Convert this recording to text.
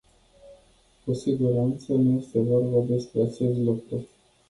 Cu siguranță, nu este vorba despre acest lucru.